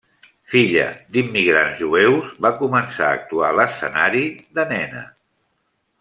Filla d'immigrants jueus, va començar a actuar a l'escenari de nena.